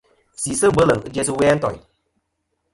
Sisɨ bweleŋ jæ sɨ we a ntoyn.